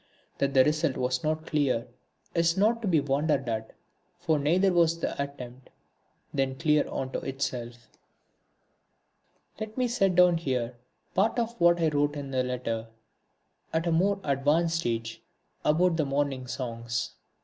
That the result was not clear is not to be wondered at, for neither was the attempt then clear unto itself. Let me set down here part of what I wrote in a letter, at a more advanced age, about the Morning Songs.